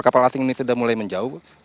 kapal asing ini sudah mulai menjauh